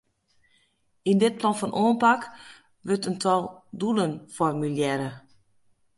Yn dit plan fan oanpak wurdt in tal doelen formulearre.